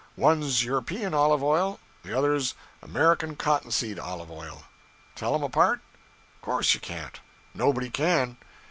One's European olive oil, the other's American cotton seed olive oil. Tell 'm apart? 'Course you can't. Nobody can.